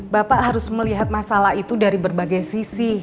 bapak harus melihat masalah itu dari berbagai sisi